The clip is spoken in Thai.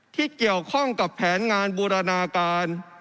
ที่เกี่ยวข้องกับแผนงานบูรณาการ